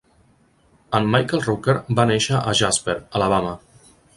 En Michael Rooker va néixer a Jasper, Alabama.